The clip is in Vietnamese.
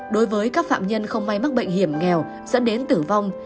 đối với các phạm nhân không may mắc bệnh hiểm nghèo dẫn đến tử vong